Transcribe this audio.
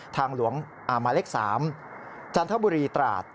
ทางหลวงอามะเล็ก๓จันทบุรีตราศ